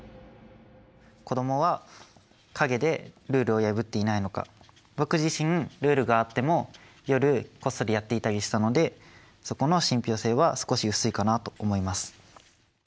子供は陰でルールを破っていないのか僕自身ルールがあっても夜こっそりやっていたりしたのでそこの信ぴょう性は少し薄いかなと思います。